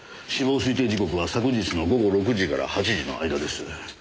死亡推定時刻は昨日の午後６時から８時の間です。